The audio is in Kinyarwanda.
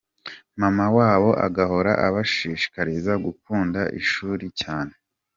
Mama wabo agahora abashishikariza gukunda ishuri cyane.